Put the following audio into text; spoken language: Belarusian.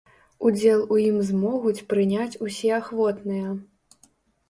Удзел у ім змогуць прыняць усе ахвотныя.